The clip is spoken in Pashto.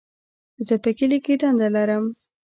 زه په کلي کي دنده لرم.